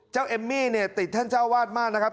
เอมมี่เนี่ยติดท่านเจ้าวาดมากนะครับ